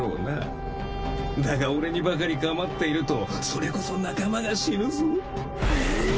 だが俺にばかり構っているとそれこそ仲間が死ぬぞんん！